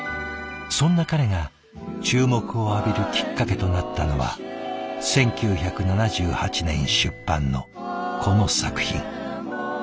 そんな彼が注目を浴びるきっかけとなったのは１９７８年出版のこの作品。